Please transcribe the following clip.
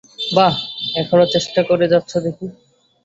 বাহ, এখনও চেষ্টা করে যাচ্ছ দেখি।